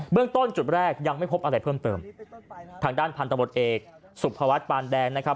เรื่องต้นจุดแรกยังไม่พบอะไรเพิ่มเติมทางด้านพันธบทเอกสุภวัฒน์ปานแดงนะครับ